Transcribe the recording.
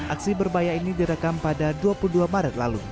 aksi berbaya ini direkam pada dua puluh dua maret dua ribu dua puluh dua